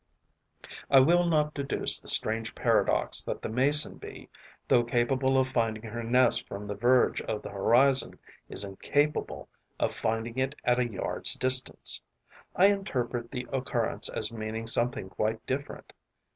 I will not deduce the strange paradox that the Mason bee, though capable of finding her nest from the verge of the horizon, is incapable of finding it at a yard's distance: I interpret the occurrence as meaning something quite different.